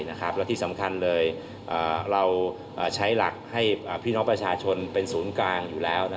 และที่สำคัญเลยเราใช้หลักให้พี่น้องประชาชนเป็นศูนย์กลางอยู่แล้ว